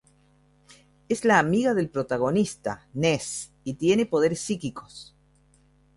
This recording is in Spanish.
Es la amiga del protagonista, Ness y tiene poderes psíquicos.